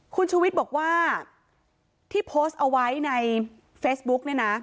คุณชูวิทย์บอกว่าที่โพสต์เอาไว้ในเฟซบุ๊กเนี่ยนะ